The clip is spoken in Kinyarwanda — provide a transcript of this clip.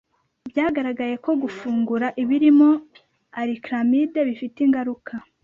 byagaragaye ko gufungura ibirimo acrylamide bifite ingaruka